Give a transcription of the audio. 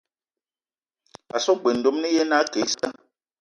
A so g-beu ndomni ye na ake issa.